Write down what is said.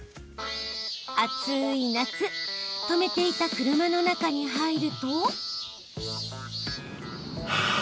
暑い夏止めていた車の中に入ると。